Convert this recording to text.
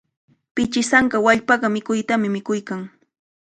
Pichisanka wallpapa mikuynintami mikuykan.